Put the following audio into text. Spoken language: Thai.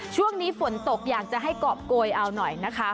ช่วงนี้ฝนตกอยากจะให้กรอบโกยเอาหน่อยนะคะ